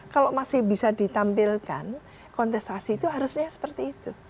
kalau masih bisa ditampilkan kontestasi itu harusnya seperti itu